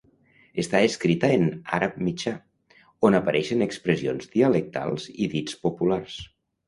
Està escrita en àrab mitjà, on apareixen expressions dialectals i dits populars.